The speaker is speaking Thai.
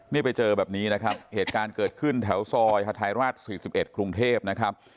นี่ไปเจอแบบนี้นะครับเหตุการณ์เกิดขึ้นแถวซอยฮาทายราช๔๑กรุงเทพนะครับ